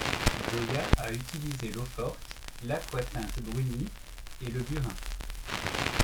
Goya a utilisé l'eau-forte, l'aquatinte brunie et le burin.